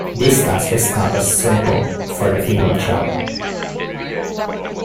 This task is not as simple for the female child.